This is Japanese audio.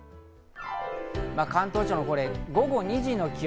関東地方の午後２時の気温。